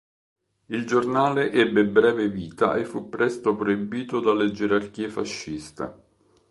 Il giornale ebbe breve vita e fu presto proibito dalle gerarchie fasciste.